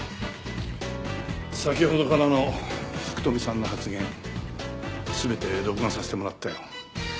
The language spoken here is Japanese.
先ほどからの福富さんの発言全て録画させてもらったよ。